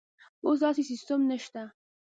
اوس داسې سیستم نشته.